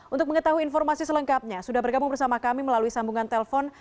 untuk mengetahui informasi selengkapnya sudah bergabung bersama kami melalui sambungan telpon